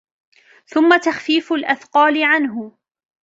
ثُمَّ تَخْفِيفُ الْأَثْقَالِ عَنْهُ